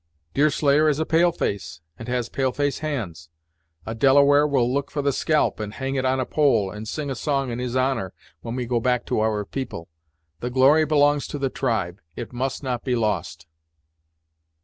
Deerslayer is a pale face, and has pale face hands. A Delaware will look for the scalp, and hang it on a pole, and sing a song in his honour, when we go back to our people. The glory belongs to the tribe; it must not be lost."